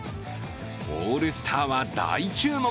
オールスターは大注目！